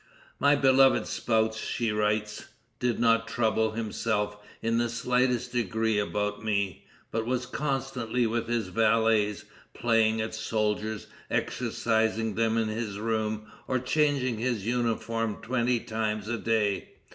"My beloved spouse," she writes, "did not trouble himself in the slightest degree about me; but was constantly with his valets, playing at soldiers, exercising them in his room, or changing his uniform twenty times a day.